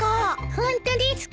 ホントですか？